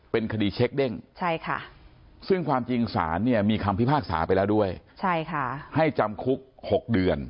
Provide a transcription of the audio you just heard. เป็นคดีเช็คเด้งซึ่งความจริงสารเนี่ยมีคำพิพากษาไปแล้วด้วยให้จำคุก๖เดือน